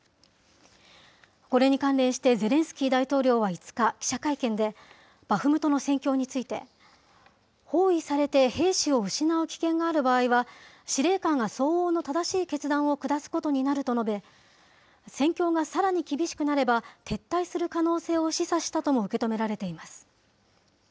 これに関連してゼレンスキー大統領は５日、記者会見で、バフムトの戦況について、包囲されて兵士を失う危険がある場合は、司令官が相応の正しい決断を下すことになると述べ、戦況がさらに厳しくなれば、撤退する可能性を示唆したとも受け止められています。